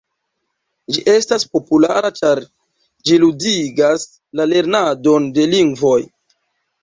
Ĝi estas populara ĉar ĝi “ludigas” la lernadon de lingvoj.